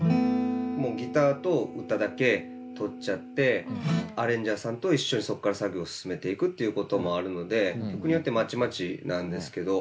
もうギターと歌だけ録っちゃってアレンジャーさんと一緒にそっから作業を進めていくっていうこともあるので曲によってまちまちなんですけど。